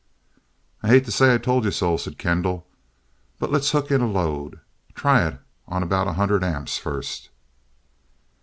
"I hate to say 'I told you so,'" said Kendall. "But let's hook in a load. Try it on about 100 amps first."